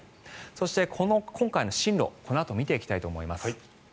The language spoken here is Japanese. そして今回の進路、このあと見ていきたいと思います。